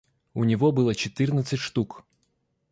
У него было четырнадцать штук.